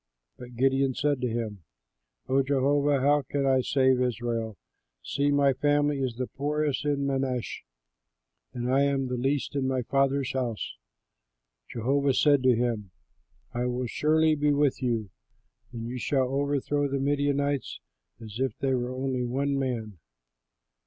But Gideon said to him, "O Jehovah, how can I save Israel? See, my family is the poorest in Manasseh, and I am the least in my father's house." Jehovah said to him, "I will surely be with you, and you shall overthrow the Midianites as if they were only one man."